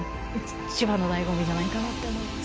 一番の醍醐味じゃないかなって思います